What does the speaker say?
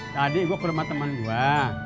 tadi gue ke rumah teman gue